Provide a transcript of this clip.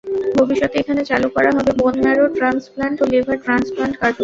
ভবিষ্যতে এখানে চালু করা হবে বোন ম্যারো ট্রান্সপ্ল্যান্ট ও লিভার ট্রান্সপ্ল্যান্ট কার্যক্রম।